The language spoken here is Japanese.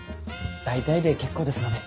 大体で結構ですので。